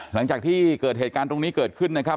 หลังจากที่เกิดเหตุการณ์ตรงนี้เกิดขึ้นนะครับ